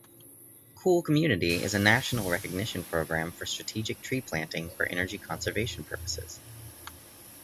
"Cool Community" is a national recognition program for strategic treeplanting for energy conservation purposes.